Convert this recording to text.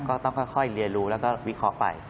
ก็ต้องค่อยเรียนรู้แล้วก็วิเคราะห์ไป